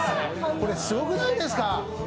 これ、すごくないですか？